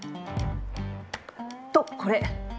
とこれ。